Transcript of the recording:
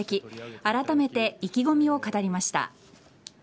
あらためて意気込みを語りました。